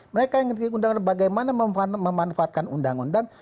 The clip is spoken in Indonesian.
mereka yang ngerti undang undang bagaimana memanfaatkan undang undang